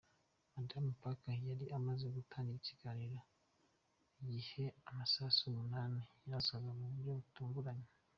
Madamu Parker yari amaze gutangira ikiganiro igihe amasasu umunani yaraswaga mu buryo butunguranye.